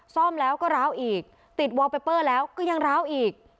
ซ่อมแล้วก็ร้าวอีกติดวอลไปเปอร์แล้วก็ยังร้าวอีก